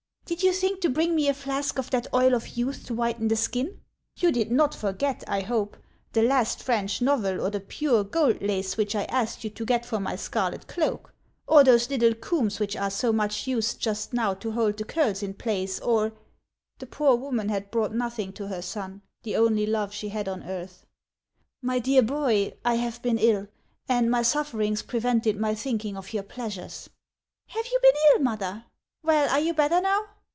Did you think to bring me a flask of that Oil of Youth to whiten the skin ? You did not forget, I hope, the last French novel, or the pure gold lace which I asked 116 HANS OF ICELAND. you to get for ray scarlet cloak, or those little combs which are so much used just now to hold the curls in place, or — The poor woman had brought nothing to her son, the only love she had on earth. " My dear boy, I have been ill, and my sufferings pre vented my thinking of your pleasures." "Have you been ill, mother? Well, are you better now